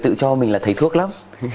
tự cho mình là thấy thuốc lắm